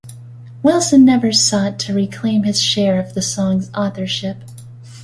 Wilson never sought to reclaim his share of the song's authorship.